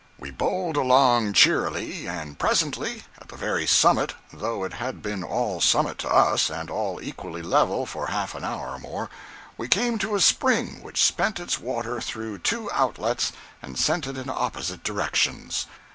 101.jpg (164K) We bowled along cheerily, and presently, at the very summit (though it had been all summit to us, and all equally level, for half an hour or more), we came to a spring which spent its water through two outlets and sent it in opposite directions.